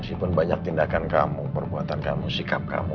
meskipun banyak tindakan kamu perbuatan kamu sikap kamu